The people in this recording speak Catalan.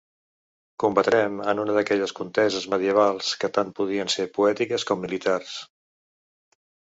Combatrem en una d'aquelles conteses medievals que tant podien ser poètiques com militars.